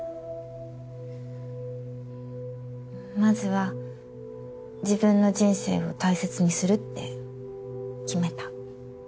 まずは自分の人生を大切にするって決めた。